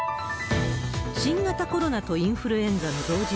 新型コロナとインフルエンザの同時